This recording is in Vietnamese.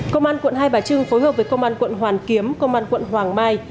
công an quận hai bà trưng phối hợp với công an quận hoàn kiếm công an quận hoàng mai